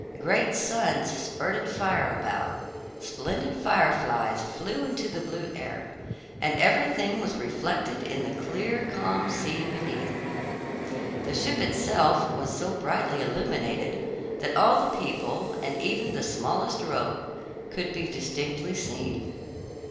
Great suns spurted fire about, splendid fireflies flew into the blue air, and everything was reflected in the clear, calm sea beneath. The ship itself was so brightly illuminated that all the people, and even the smallest rope, could be distinctly seen.